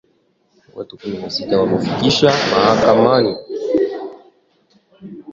Watu kumi na sita wamefikishwa mahakamani kwa kuwauzia silaha wanamgambo huko Jamhuri ya Kidemokrasia ya Kongo